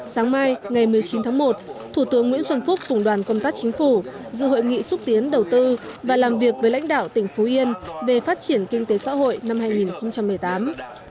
sáng mai ngày một mươi chín tháng một thủ tướng nguyễn xuân phúc cùng đoàn công tác chính phủ dự hội nghị xúc tiến đầu tư và làm việc với lãnh đạo tỉnh phú yên về phát triển kinh tế xã hội năm hai nghìn một mươi tám